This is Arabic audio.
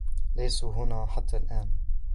ليسوا هنا حتى الآن.